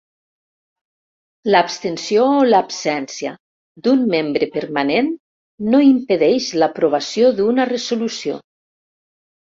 L'abstenció o l'absència d'un membre permanent no impedeix l'aprovació d'una resolució.